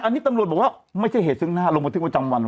แต่อันนี้ตำรวจบอกว่าไม่ใช่เหตุซึ่งหน้าลงบันทึกว่าจังหวันเวทย์